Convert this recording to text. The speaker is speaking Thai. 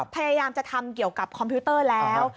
พยายามจะทำเกี่ยวกับคอมพิวเตอร์แล้ว